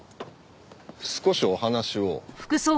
少しお話を。